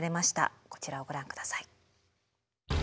こちらをご覧下さい。